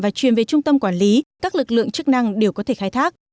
và truyền về trung tâm quản lý các lực lượng chức năng đều có thể khai thác